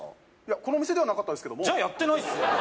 この店ではなかったですけどもじゃあやってないっすよ